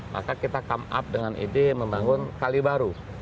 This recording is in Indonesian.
maka kita come up dengan ide membangun kali baru